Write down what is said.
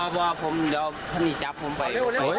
บ่าผมเดี๋ยวพ่อนี่จับผมไป